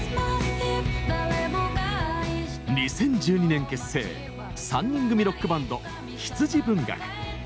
２０１２年結成３人組ロックバンド、羊文学。